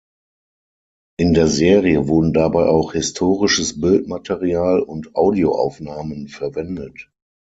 In der Serie wurden dabei auch historisches Bildmaterial und Audioaufnahmen verwendet.